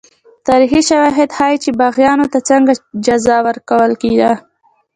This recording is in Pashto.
تاریخي شواهد ښيي چې باغیانو ته څنګه جزا ورکول کېده.